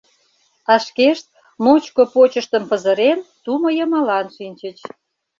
А шкешт, ночко почыштым пызырен, тумо йымалан шинчыч.